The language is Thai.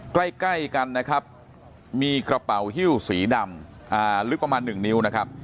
ใกล้กันนะครับมีกระเป๋าฮิ้วสีดำลึกประมาณ๑นิ้วนะครับ